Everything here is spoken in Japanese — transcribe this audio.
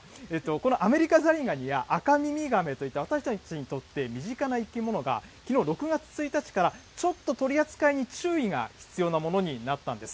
このアメリカザリガニや、アカミミガメといった私たちにとって身近な生き物が、きのう６月１日から、ちょっと取り扱いに注意が必要なものになったんです。